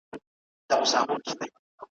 زه بیا دې ځای ته فکر وړی وم